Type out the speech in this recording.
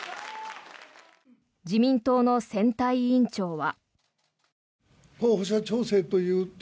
自民党の選対委員長は。